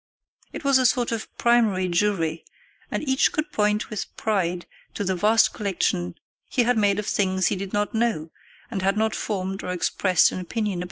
It was a sort of primary jury, and each could point with pride to the vast collection he had made of things he did not know, and had not formed or expressed an opinion about.